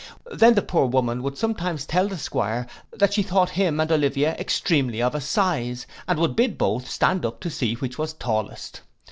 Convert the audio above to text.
Then the poor woman would sometimes tell the 'Squire, that she thought him and Olivia extremely of a size, and would bid both stand up to see which was tallest.